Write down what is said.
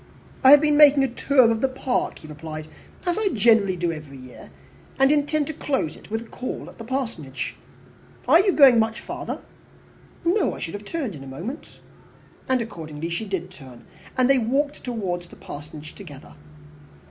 "I have been making the tour of the park," he replied, "as I generally do every year, and intended to close it with a call at the Parsonage. Are you going much farther?" "No, I should have turned in a moment." And accordingly she did turn, and they walked towards the Parsonage together.